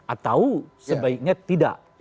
atau sebaiknya tidak